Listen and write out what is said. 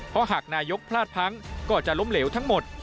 เพราะหากนายกพลาดพังก็จะล้มเหลวทั้งหมด